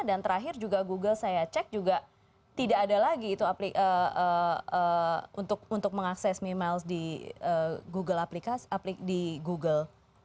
dan terakhir juga google saya cek juga tidak ada lagi itu aplikasi untuk mengakses mimes di google